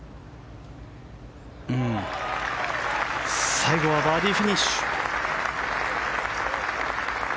最後はバーディーフィニッシュ。